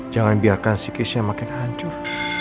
jangan biarkan si casey makin hancur